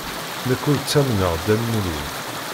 Nekk ur ttamneɣ Dda Lmulud.